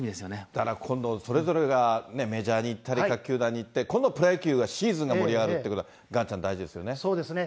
だから今度、それぞれがメジャーに行ったり、各球団にいって、今度、プロ野球がシーズンが盛り上がるっていうそうですね。